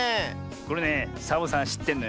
これねサボさんしってんのよ。